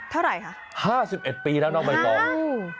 เท่าไหร่ค่ะ๕๑ปีแล้วน้องมายมอง